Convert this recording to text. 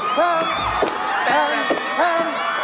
ตัวลอยได้เลย